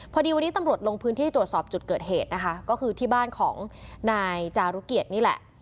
พอดีวันนี้ตำรวจลงพื้นที่ตรวจสอบจุดเกิดเหตุนะคะก็คือที่บ้านของนายจารุเกียรตินี่แหละ